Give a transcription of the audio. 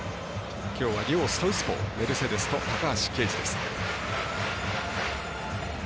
きょうは両サウスポーメルセデスと高橋奎二です。